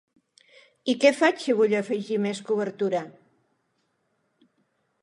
I què faig si vull afegir més cobertura?